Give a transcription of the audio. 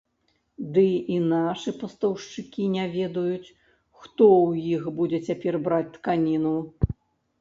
Ды і нашы пастаўшчыкі не ведаюць, хто ў іх будзе цяпер браць тканіну.